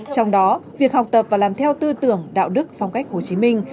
trong đó việc học tập và làm theo tư tưởng đạo đức phong cách hồ chí minh